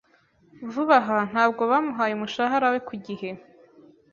Vuba aha, ntabwo bamuhaye umushahara we ku gihe.